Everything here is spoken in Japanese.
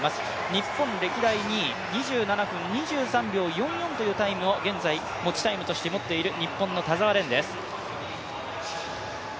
日本歴代２位、２７分２３秒４４というタイムを現在持ちタイムとして持っている日本の田澤廉です。